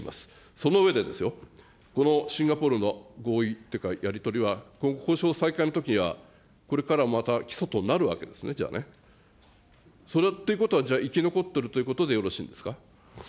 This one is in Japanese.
その上でですよ、このシンガポールの合意というかやり取りは今後、交渉再開のときには、これからもまた基礎となるわけですね、じゃあね。ということは生き残ってるということでよろしいんですか。